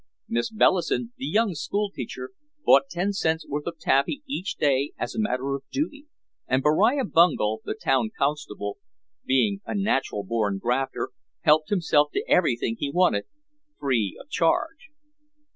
Miss Bellison, the young school teacher, bought ten cents' worth of taffy each day as a matter of duty, and Beriah Bungel, the town constable, being a natural born grafter, helped himself to everything he wanted free of charge.